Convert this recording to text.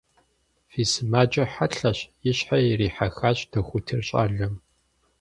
Фи сымаджэр хьэлъэщ, – и щхьэр ирихьэхащ дохутыр щӏалэм.